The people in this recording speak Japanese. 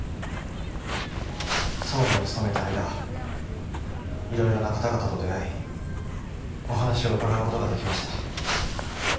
総理を務めた間いろいろな方々と出会いお話を伺うことができました。